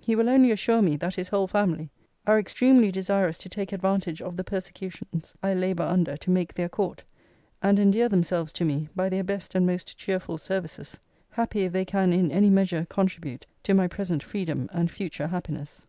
He will only assure me, that his whole family are extremely desirous to take advantage of the persecutions I labour under to make their court, and endear themselves to me, by their best and most cheerful services: happy if they can in any measure contribute to my present freedom and future happiness.